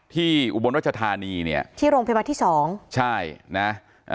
อุบลรัชธานีเนี่ยที่โรงพยาบาลที่สองใช่นะอ่า